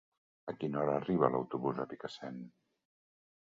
A quina hora arriba l'autobús de Picassent?